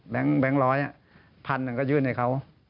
แบงค์แบงค์ร้อยพันหนึ่งก็ยื่นให้เขา